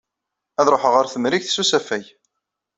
Ad ṛuḥer ɣer Temrikt s usafag.